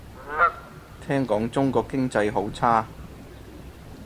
聽講中國經濟好差